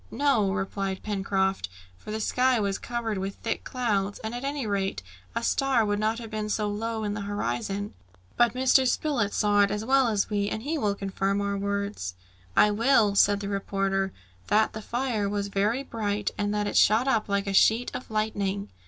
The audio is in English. "No," replied Pencroft, "for the sky was covered with thick clouds, and at any rate a star would not have been so low on the horizon. But Mr. Spilett saw it as well as we, and he will confirm our words." "I will add," said the reporter, "that the fire was very bright, and that it shot up like a sheet of lightning."